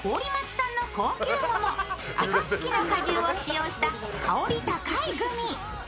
産の高級桃あかつきの果汁を使用した香り高いグミ。